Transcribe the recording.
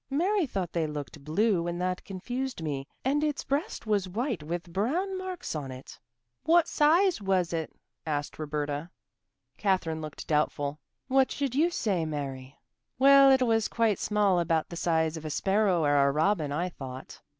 Mary thought they looked blue and that confused me. And its breast was white with brown marks on it." "What size was it?" asked Roberta. Katherine looked doubtful. "What should you say, Mary?" "Well, it was quite small about the size of a sparrow or a robin, I thought."